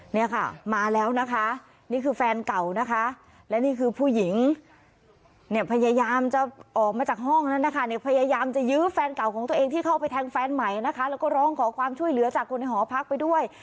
เนี่ยค่ะมาแล้วนะคะนี่คือแฟนเก่านะคะและนี่คือผู้หญิงเนี่ยพยายามจะออกมาจากห้องนั้นนะคะเนี่ยพยายามจะยื้อแฟนเก่าของตัวเองที่เข้าไปแทงแฟนใหม่นะคะแล้วก็ร้องขอความช่วยเหลือจากคนในหอพักไปด้วย